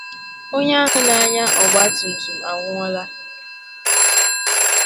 onye ahụ na-anyà ọgbatumtum anwụọla